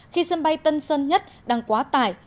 khi sân bay tân sân nhất đang quá tải